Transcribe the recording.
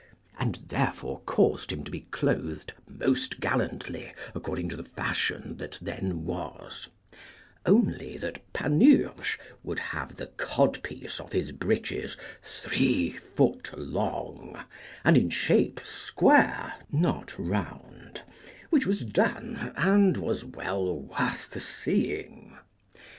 And therefore caused him to be clothed most gallantly according to the fashion that then was, only that Panurge would have the codpiece of his breeches three foot long, and in shape square, not round; which was done, and was well worth the seeing.